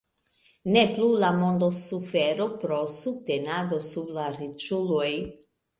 Ne plu la mondo suferu pro subtenado sub la riĉuloj